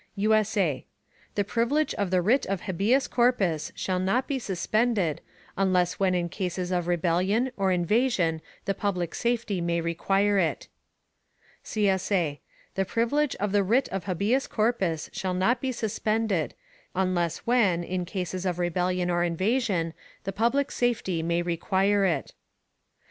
_ [USA] The Privilege of the Writ of Habeas Corpus shall not be suspended, unless when in Cases of Rebellion or Invasion the public Safety may require it. [CSA] The privilege of the writ of habeas corpus shall not be suspended, unless when, in cases of rebellion or invasion, the public safety may require it.